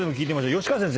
吉川先生